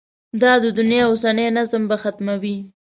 دا د دنیا اوسنی نظم به ختموي.